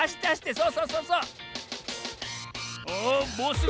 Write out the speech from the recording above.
そうそうそう。